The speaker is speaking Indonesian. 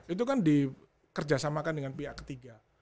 itu kan dikerjasamakan dengan pihak ketiga